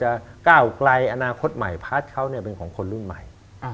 ห้ามไม่ได้เพราะว่า